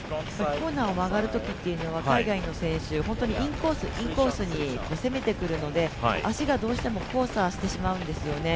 コーナーを曲がるときっていうのは海外の選手、本当にインコース、インコースに攻めてくるので、足がどうしても交差してしまうんですね。